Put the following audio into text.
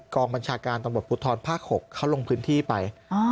กองบัญชาการตำรวจภูทรภาค๖เขาลงพื้นที่ไป